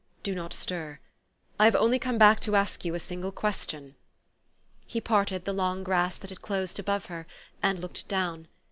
Do not stir. I have only come back to ask you a single question." He parted the long grass that had closed above her, and looked down.